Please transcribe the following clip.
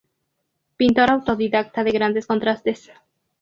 Pintor autodidacta de grandes contrastes.